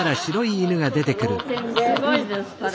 すごいですから。